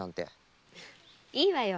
いいわよ。